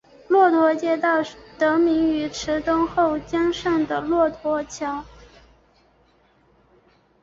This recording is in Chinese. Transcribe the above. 骆驼街道得名于慈东后江上的骆驼桥。